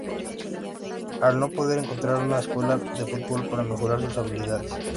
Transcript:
Al no poder encontrar una escuela de fútbol para mejorar sus habilidades.